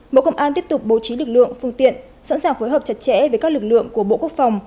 bộ công an tiếp tục bố trí lực lượng phương tiện sẵn sàng phối hợp chặt chẽ với các lực lượng của bộ quốc phòng